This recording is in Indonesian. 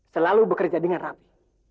selalu bekerja dengan rapi